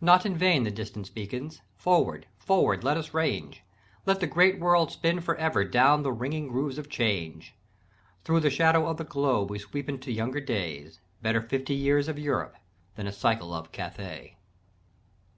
Not in vain the distance beacons. Forward, forward, let us range, Let the great world spin for ever down the ringing grooves of change. Thro' the shadow of the globe we sweep into the younger day; Better fifty years of Europe than a cycle of Cathay."